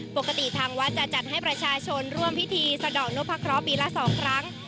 ปกติทางวัดจะจัดให้ประชาชนร่วมพิธีสะดอกนพะเคราะห์ปีละ๒ครั้ง